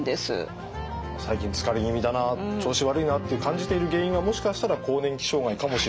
最近疲れ気味だな調子悪いなって感じている原因はもしかしたら更年期障害かもしれない。